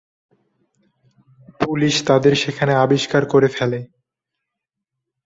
Police তাদের সেখানে আবিষ্কার করে ফেলে।